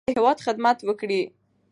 دوی به په راتلونکي کې د هېواد خدمت وکړي.